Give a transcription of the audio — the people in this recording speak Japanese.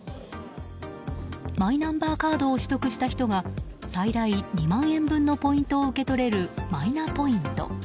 マイナンバーカードを取得した人が最大２万円分のポイントを受け取れるマイナポイント。